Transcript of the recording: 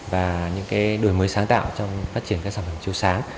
và những đổi mới sáng tạo trong phát triển các sản phẩm chiếu sáng